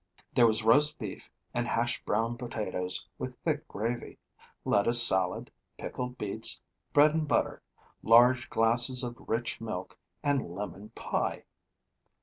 There was roast beef and hashed brown potatoes with thick gravy, lettuce salad, pickled beets, bread and butter, large glasses of rich milk and lemon pie.